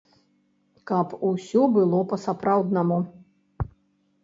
Каб усё было па-сапраўднаму.